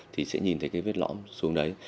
thì sẽ nhìn thấy cái vết lõm xuống đấy